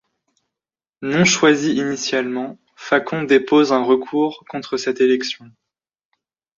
Non choisi initialement, Facon dépose un recours contre cette élection.